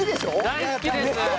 大好きです。